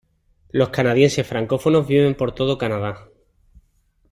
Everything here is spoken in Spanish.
Los canadienses francófonos viven por todo Canadá.